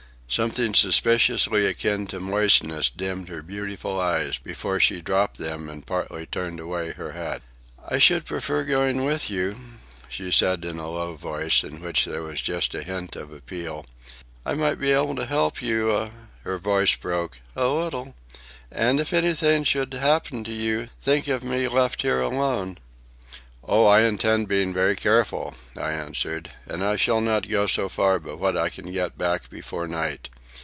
Something suspiciously akin to moistness dimmed her beautiful eyes before she dropped them and partly turned away her head. "I should prefer going with you," she said in a low voice, in which there was just a hint of appeal. "I might be able to help you a—" her voice broke,—"a little. And if anything should happen to you, think of me left here alone." "Oh, I intend being very careful," I answered. "And I shall not go so far but what I can get back before night.